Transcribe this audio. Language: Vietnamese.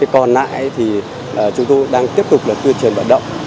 còn nãy thì chúng tôi đang tiếp tục tuyên truyền bản động